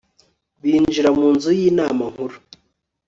binjira mu nzu y'inama nkuru